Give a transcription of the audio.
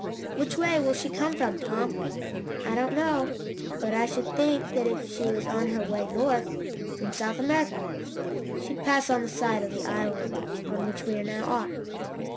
"Which way will she come from, Tom?" "I don't know, but I should think, that if she was on her way north, from South America, she'd pass on the side of the island on which we now are."